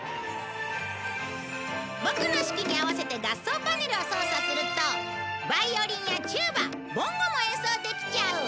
ボクの指揮に合わせて合奏パネルを操作するとバイオリンやチューバボンゴも演奏できちゃう！